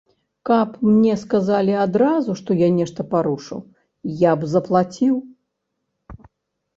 Каб мне сказалі адразу, што я нешта парушыў, я б заплаціў!